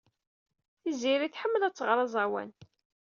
Tiziri tḥemmel ad tɣer aẓawan.